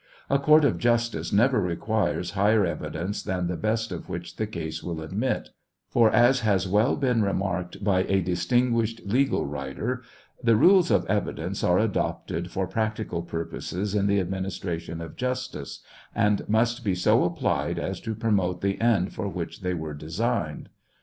A court of justice never requires higher evidence than the best of which the case will admit; for, as has well been remarked by a distinguished legal writer : The niles of evideuce are adopted for practical purposes ia ths administration of justice, and must be so applied as to promote the end for which they were designed.